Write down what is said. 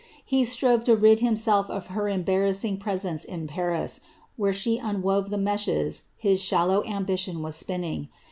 He strove to rid himself or her embai^ rassing presence in Paris, wliere she unwove the meshea hia aUlow ambition was spinning.